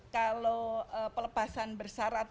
kalau pelepasan bersarat